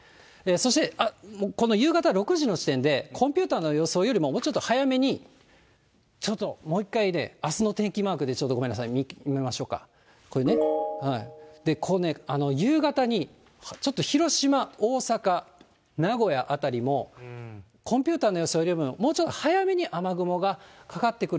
そしてこの夕方６時の時点で、コンピューターの予想よりも、もうちょっと早めに、ちょっともう一回ね、あすの天気マークでちょっと見ましょうか、これね、夕方にちょっと広島、大阪、名古屋辺りも、コンピューターの予想よりももうちょっと早めに雨雲がかかってく